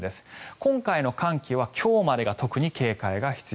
今回の寒気は今日までが特に警戒が必要。